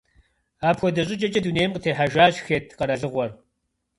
Апхуэдэ щӏыкӏэкӏэ дунейм къытехьэжащ Хетт къэралыгъуэр.